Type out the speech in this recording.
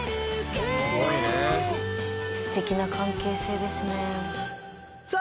えっすごいね素敵な関係性ですねさあ